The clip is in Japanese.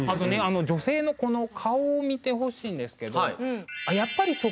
女性のこの顔を見てほしいんですけど。